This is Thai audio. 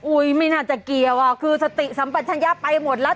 อุ๊ยไม่น่าจะเกียวอะคือสติสามปัญญาไปหมดแล้ว